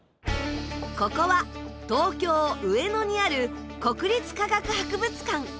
ここは東京・上野にある国立科学博物館。